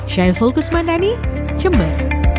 syahir fulkus mandani jember